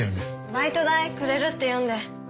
バイト代くれるって言うんで。